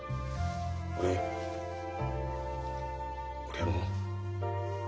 俺俺あの。